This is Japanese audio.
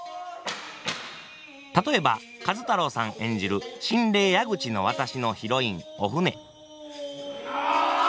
例えば壱太郎さん演じる「神霊矢口渡」のヒロインお舟。